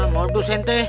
mau tuh sente